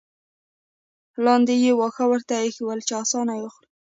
لاندې یې واښه ورته اېښي ول چې اسان یې وخوري.